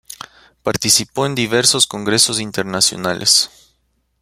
Participó en diversos congresos internacionales.